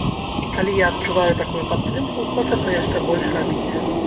І калі я адчуваю такую падтрымку, хочацца яшчэ больш рабіць.